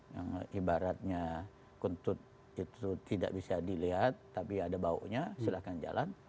yang ibaratnya kuntut itu tidak bisa dilihat tapi ada baunya silahkan jalan